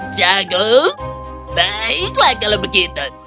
jagung baiklah kalau begitu